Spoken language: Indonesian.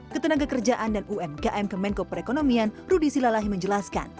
ketenaga kerjaan dan umkm kemenko perekonomian rudy silalahi menjelaskan